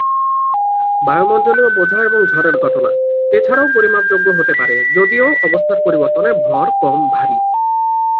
বায়ুমণ্ডলীয় বোঝা এবং ঝড়ের ঘটনা এছাড়াও পরিমাপযোগ্য হতে পারে, যদিও অবস্থার পরিবর্তনে ভর কম ভারি।